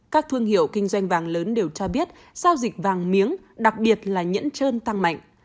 các thương hiệu kinh doanh vàng lớn đều cho biết giao dịch vàng miếng đặc biệt là nhẫn trơn tăng mạnh